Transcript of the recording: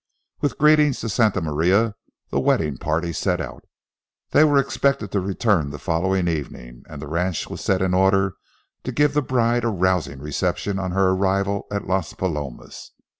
With greetings to Santa Maria, the wedding party set out. They were expected to return the following evening, and the ranch was set in order to give the bride a rousing reception on her arrival at Las Palomas.